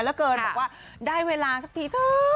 และเกินได้เวลาสักทีท่อ